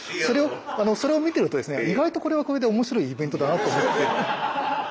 それを見てると意外とこれはこれで面白いイベントだなと。